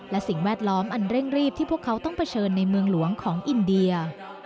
และสิ่งแวดล้อมอันเร่งรีบที่พวกเขาต้องเผชิญในเมืองหลวงของอินเดีย